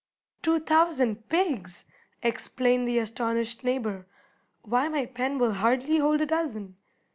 "Two thousand pigs!" exclaimed the astonished neighbor; "why, my pen will hardly hold a dozen!"